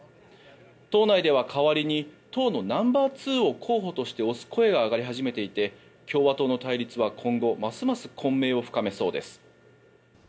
党内では代わりに党のナンバーツーを、候補として推す声が上がり始めていて共和党の対立は今後ますます混迷を深めそうです。